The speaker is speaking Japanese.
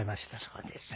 そうですか。